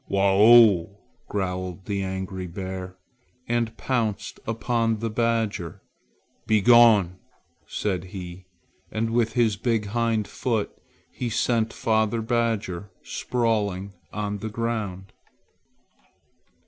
"Wa ough!" growled the angry bear, and pounced upon the badger. "Be gone!" said he, and with his big hind foot he sent father badger sprawling on the ground.